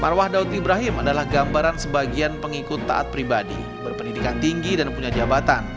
marwah daud ibrahim adalah gambaran sebagian pengikut taat pribadi berpendidikan tinggi dan punya jabatan